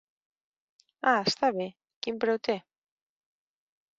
Ah està bé, quin preu té?